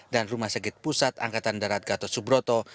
dan rumah sakit pusat angkatan darat gatot subroto